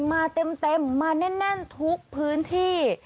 มาเต็มมาแน่นทุกพื้นที่